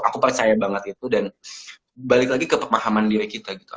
aku percaya banget itu dan balik lagi ke pemahaman diri kita gitu